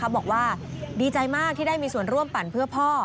บอกว่าดีใจมากที่ได้มีส่วนร่วมปั่นเพื่อพ่อ